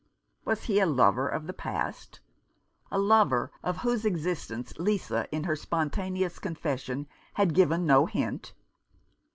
Was he a lover of the past — a lover of whose existence Lisa, in her spontaneous confession, had given no hint